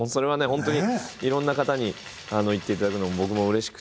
本当にいろんな方に言っていただくのも僕もうれしくて。